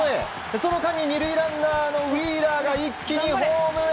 その間に２塁ランナーのウィーラーが一気にホームへ。